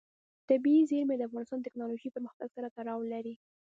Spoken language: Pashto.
طبیعي زیرمې د افغانستان د تکنالوژۍ پرمختګ سره تړاو لري.